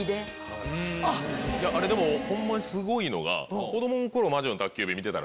あれホンマにすごいのが。